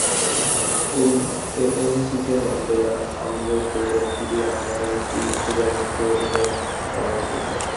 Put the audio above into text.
এএনসিতে Mandela আমলের গৌরব ফিরিয়ে আনার গুরুদায়িত্ব এখন রামাফোসার।